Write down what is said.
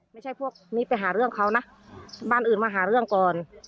ไม่ใช่พวกนี้ไปหาเรื่องเขานะบ้านอื่นมาหาเรื่องก่อน